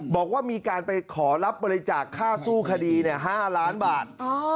บอกว่ามีการไปขอรับบริจาคค่าสู้คดี๕ล้านบาท